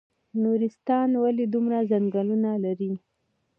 نورستان ولې دومره ځنګلونه لري؟